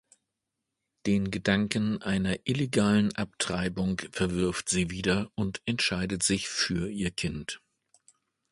Den Gedanken einer illegalen Abtreibung verwirft sie wieder und entscheidet sich für ihr Kind.